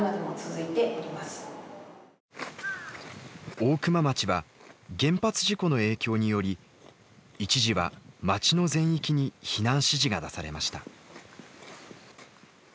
大熊町は原発事故の影響により一時は町の全域に避難指示が出されました。